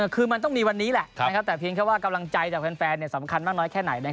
คือมันต้องมีวันนี้แหละแต่เพียงแค่ว่ากำลังใจจากแฟนสำคัญมากน้อยแค่ไหน